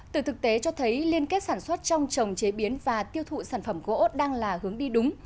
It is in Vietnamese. từ thực tế cho thấy liên kết sản xuất trong trồng chế biến và tiêu thụ sản phẩm gỗ đang là hướng đi đúng